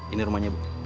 ini rumahnya bu